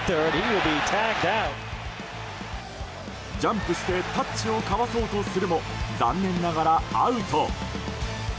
ジャンプしてタッチをかわそうとするも残念ながら、アウト。